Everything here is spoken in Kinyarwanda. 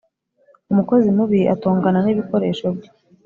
umukozi mubi atongana nibikoresho bye.